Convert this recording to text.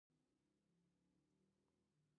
نسجونه څنګه جوړیږي؟